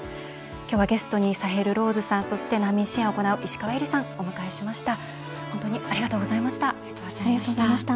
今日はゲストにサヘル・ローズさんそして、難民支援を行う石川えりさん、お迎えしました。